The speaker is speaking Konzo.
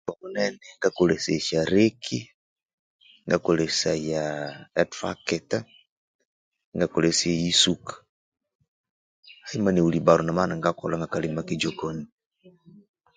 Obuthuku obunene ngakolhesaya esya rekii etractor inga kolhesya eyisuka haima newelhibaro namabya iningakolha akalhima kejokoni